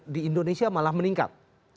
di indonesia malah meningkat